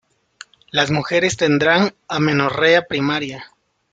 Las mujeres tendrán amenorrea primaria.